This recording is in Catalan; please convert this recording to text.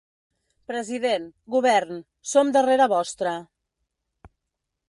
President, govern: som darrere vostre